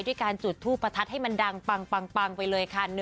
ด้วยการจุดทูปประทัดให้มันดังปังไปเลยค่ะ